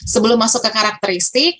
sebelum masuk ke karakteristik